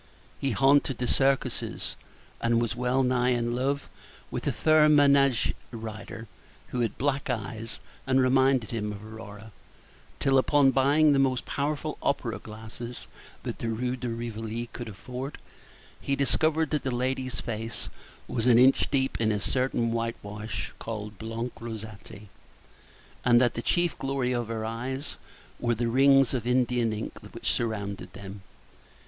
He haunted the circuses, and was wellnigh in love with a fair manége rider, who had black eyes, and reminded him of Aurora; till, upon buying the most powerful opera glass that the Rue de Rivoli could afford, he discovered that the lady's face was an inch deep in a certain whitewash called blanc rosati, and that the chief glory of her eyes were the rings of Indian ink which surrounded them.